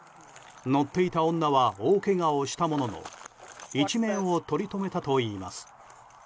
乗っていた女は大けがをしたものの一命をとりとめたといいます。